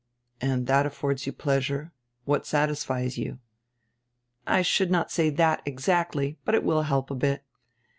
"And drat affords you pleasure? That satisfies you?" " 1 should not say drat exactly, hut it will help a hit.